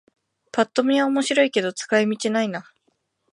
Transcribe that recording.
ぱっと見は面白いけど使い道ないな